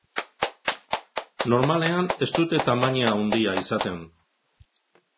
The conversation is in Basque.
Normalean ez dute tamaina handia izaten.